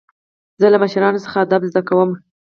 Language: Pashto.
زه له مشرانو څخه ادب زده کوم.